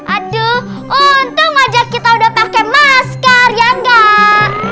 aduh untung aja kita udah pake masker ya gak